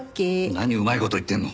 何うまい事言ってんの。